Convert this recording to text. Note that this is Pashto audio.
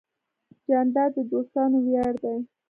جانداد د دوستانو ویاړ دی.